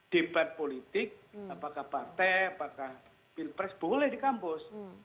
debat politik apakah partai apakah pilpres boleh di kampus